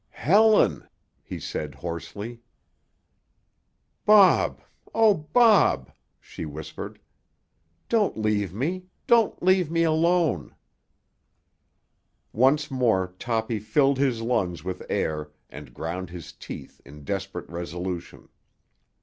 "Helen!" he said hoarsely. "Bob! Oh, Bob!" she whispered. "Don't leave me—don't leave me alone." Once more Toppy filled his lungs with air and ground his teeth in desperate resolution.